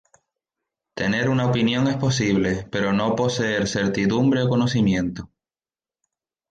Tener una opinión es posible, pero no poseer certidumbre o conocimiento.